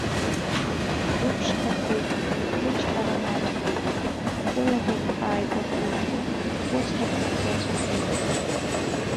Сгәы ԥшқахеит, сычҳара маҷхеит, сылаӷырӡ ааигәахеит, схәыцрақәа рацәахеит.